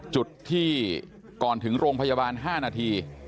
จุดที่ก่อนถึงโรงพยาบาล๕นาที